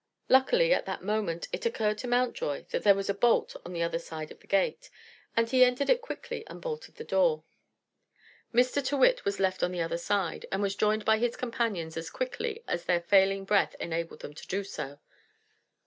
Luckily, at the moment, it occurred to Mountjoy that there was a bolt on the other side of the gate, and he entered it quickly and bolted the door. Mr. Tyrrwhit was left on the other side, and was joined by his companions as quickly as their failing breath enabled them to do so.